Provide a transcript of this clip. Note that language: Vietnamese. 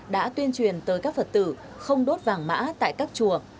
đã tuyên truyền tới các phật tử không đốt vàng mã tại các chùa